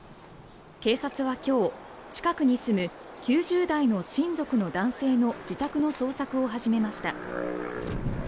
警察は今日、近くに住む９０代の親族の男性の自宅の捜索を始めました。